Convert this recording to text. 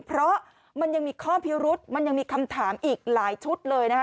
เพราะมันยังมีข้อพิรุษมันยังมีคำถามอีกหลายชุดเลยนะคะ